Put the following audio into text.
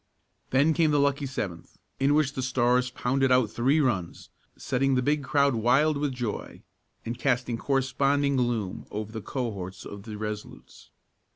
Then came the lucky seventh, in which the Stars pounded out three runs, setting the big crowd wild with joy, and casting corresponding gloom over the cohorts of the Resolutes.